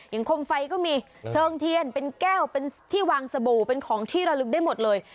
คมไฟก็มีเชิงเทียนเป็นแก้วเป็นที่วางสบู่เป็นของที่ระลึกได้หมดเลย